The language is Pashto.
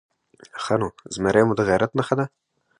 _ښه نو، زمری مو د غيرت نښه ده؟